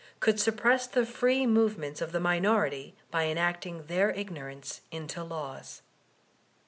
could suppress the free movements of the minority by enacting their ignorance into laws.